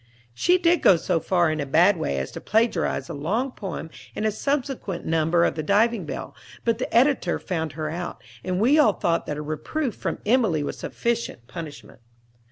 She did go so far in a bad way as to plagiarize a long poem in a subsequent number of the "Diving Bell" but the editor found her out, and we all thought that a reproof from Emilie was sufficient punishment.